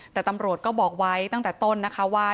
แต่ตำรวจก็บอกไว้ตั้งแต่ต้นนะคะว่า